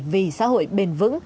vì xã hội bền vững